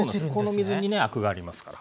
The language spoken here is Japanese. この水にねアクがありますから。